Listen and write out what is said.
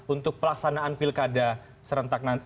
untuk pelaksanaan pilkada serentak nanti